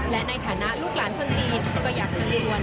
และในฐานะลูกหลานคนจีนก็อยากเชิญชวน